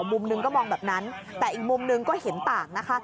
มุมหนึ่งก็มองแบบนั้นแต่อีกมุมหนึ่งก็เห็นต่างนะคะ